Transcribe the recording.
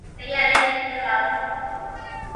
پيا لئين ھيدو لاوُ ھون